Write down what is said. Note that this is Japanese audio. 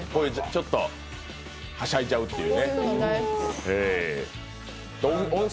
ちょっとはしゃいじゃうっていう。